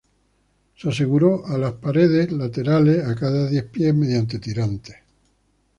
Se aseguró a las paredes laterales a cada diez pies mediante tirantes.